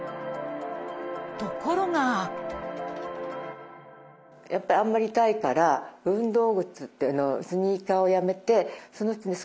ところがやっぱりあんまり痛いから運動靴っていうのをスニーカーをやめてそのうちね